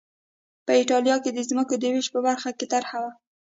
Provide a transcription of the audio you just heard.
په اېټالیا کې د ځمکو د وېش په برخه کې طرحه وه